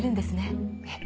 ええ。